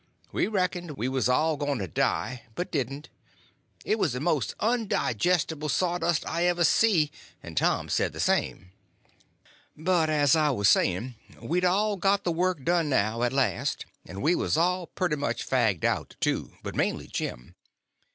We reckoned we was all going to die, but didn't. It was the most undigestible sawdust I ever see; and Tom said the same. But as I was saying, we'd got all the work done now, at last; and we was all pretty much fagged out, too, but mainly Jim.